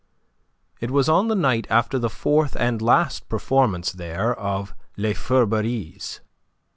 It was on the night after the fourth and last performance there of "Les Feurberies."